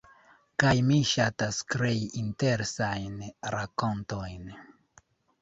kaj mi ŝatas krei interesajn rakontojn